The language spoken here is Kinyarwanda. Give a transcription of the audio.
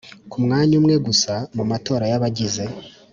Ku mwanya umwe gusa mu matora y abagize